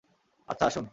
আচ্ছা, আসুন।